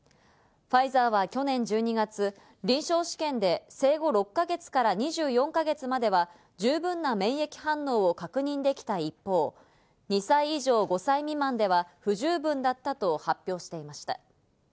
ファイザーは去年１２月、臨床試験で生後６か月から２４か月までは十分な免疫反応を確認できた一方、２歳以上５歳未満では不十分だったと発表していました。